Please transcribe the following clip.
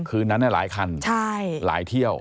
คืนนั้นหลายคันหลายเที่ยว